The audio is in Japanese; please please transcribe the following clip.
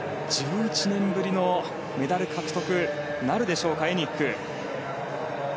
１１年ぶりのメダル獲得なるかエニック。